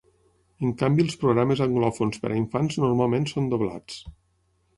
En canvi els programes anglòfons per a infants normalment són doblats.